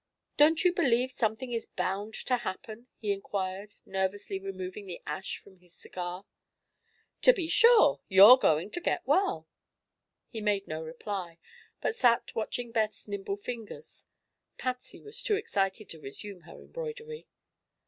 Don't you believe something is bound to happen?" he inquired, nervously removing the ash from his cigar. "To be sure. You're going to get well." He made no reply, but sat watching Beth's nimble fingers. Patsy was too excited to resume her embroidery.